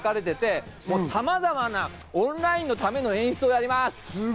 さまざまなオンラインのための演出をやります。